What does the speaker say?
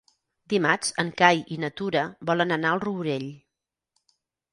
Dimarts en Cai i na Tura volen anar al Rourell.